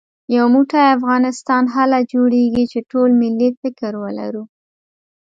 يو موټی افغانستان هله جوړېږي چې ټول ملي فکر ولرو